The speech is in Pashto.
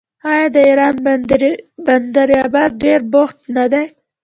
آیا د ایران بندر عباس ډیر بوخت نه دی؟